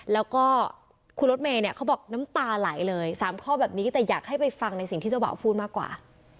แล้วก็คุณรถเมย์เนี่ยเขาบอกน้ำตาไหลเลย๓ข้อแบบนี้แต่อยากให้ไปฟังในสิ่งที่เจ้าบ่าวพูดมากกว่า